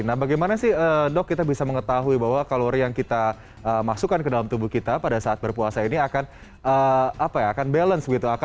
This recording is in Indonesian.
nah bagaimana sih dok kita bisa mengetahui bahwa kalori yang kita masukkan ke dalam tubuh kita pada saat berpuasa ini akan balance